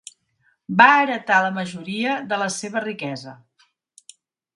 Va heretar la majoria de la seva riquesa.